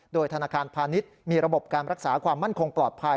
โดยธนาคารพาณิชย์มีระบบการรักษาความมั่นคงปลอดภัย